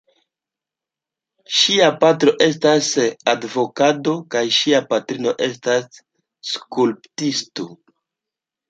Ŝia patro estas advokato kaj ŝia patrino estas skulptisto.